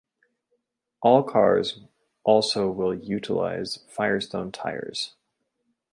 All cars also will utilize Firestone tires.